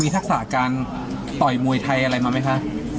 ทักษะการต่อยมวยไทยอะไรมาไหมคะ